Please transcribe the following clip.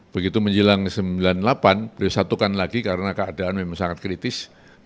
begitu menjelang seribu sembilan ratus sembilan puluh delapan beliau disatukan lagi karena keadaan memang sangat kritis